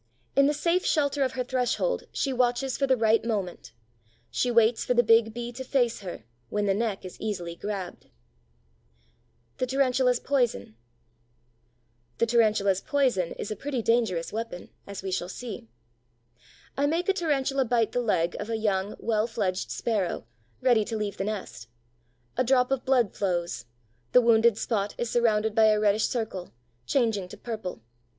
In the safe shelter of her threshold she watches for the right moment; she waits for the big Bee to face her, when the neck is easily grabbed. THE TARANTULA'S POISON The Tarantula's poison is a pretty dangerous weapon, as we shall see. I make a Tarantula bite the leg of a young, well fledged Sparrow, ready to leave the nest. A drop of blood flows; the wounded spot is surrounded by a reddish circle, changing to purple.